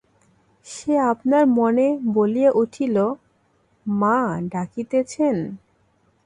সে আপনার মনে বলিয়া উঠিল, মা ডাকিতেছেন!